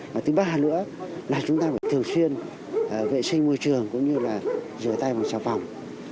và thứ ba nữa là chúng ta phải thường xuyên vệ sinh môi trường cũng như là rửa tay bằng xà phòng